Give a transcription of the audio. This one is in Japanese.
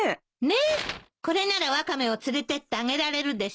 これならワカメを連れてってあげられるでしょ？